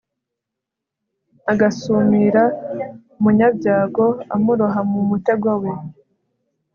agasumira umunyabyago amuroha mu mutego we